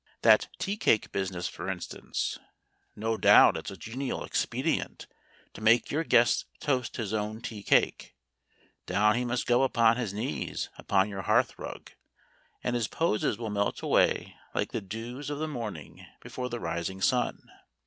That tea cake business, for instance. No doubt it's a genial expedient to make your guests toast his own tea cake: down he must go upon his knees upon your hearthrug, and his poses will melt away like the dews of the morning before the rising sun.